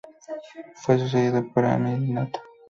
Fue sucedido por Ammi-ditana